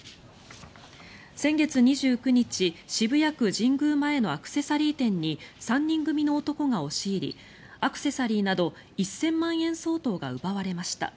先月２９日渋谷区神宮前のアクセサリー店に３人組の男が押し入りアクセサリーなど１０００万円相当が奪われました。